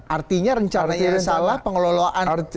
artinya rencana yang salah pengelolaan rencana